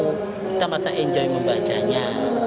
kita merasa enjoy membacanya